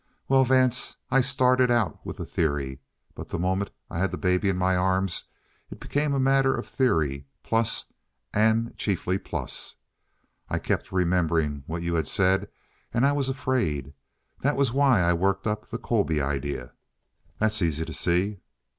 "Well, Vance, I started out with a theory; but the moment I had that baby in my arms, it became a matter of theory, plus, and chiefly plus. I kept remembering what you had said, and I was afraid. That was why I worked up the Colby idea." "That's easy to see."